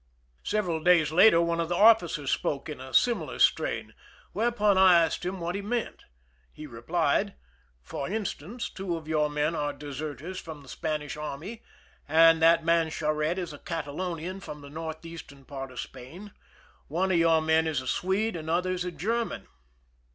Several days later one of the officers spoke in a similar strain, whereupon I asked him what he meant. He replied: "For instance, two of your men are deserters from the Spanish army, and that man Charette is a Catalonian from the northeastern part of Spain ; one of your men is a Swede ; another is a German."